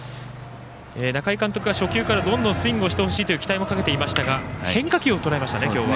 中井監督が初球からどんどんスイングをしてほしいと期待もかけていましたが変化球をとらえましたね、今日は。